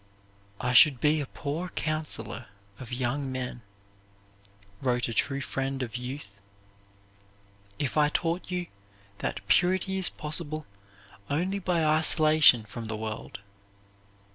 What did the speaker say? "I should be a poor counselor of young men," wrote a true friend of youth, "if I taught you that purity is possible only by isolation from the world.